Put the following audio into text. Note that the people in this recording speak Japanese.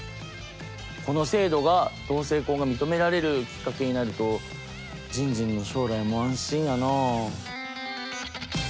この制度が同性婚が認められるきっかけになるとじんじんの将来も安心やなあ。